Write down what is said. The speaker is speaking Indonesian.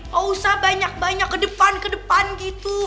gak usah banyak banyak ke depan ke depan gitu